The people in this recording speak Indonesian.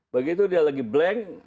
begitu dia lagi blank